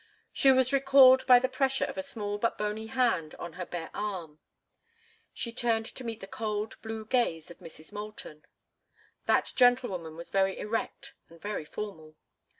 She was recalled by the pressure of a small but bony hand on her bare arm. She turned to meet the cold, blue gaze of Mrs. Moulton. That gentlewoman was very erect and very formal.